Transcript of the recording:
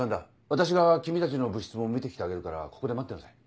私が君たちの部室も見て来てあげるからここで待ってなさい。